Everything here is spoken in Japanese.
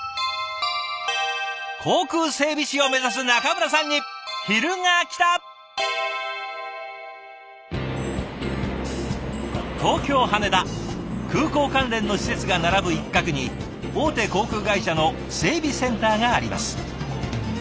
航空整備士を目指す空港関連の施設が並ぶ一角に大手航空会社の整備センターがあります。